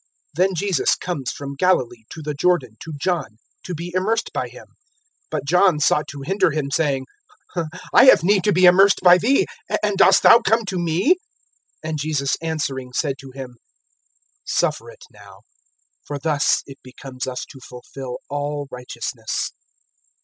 (13)Then Jesus comes from Galilee to the Jordan, to John, to be immersed by him. (14)But John sought to hinder him, saying: I have need to be immersed by thee, and dost thou come to me? (15)And Jesus answering said to him: Suffer it now; for thus it becomes us to fulfill all righteousness.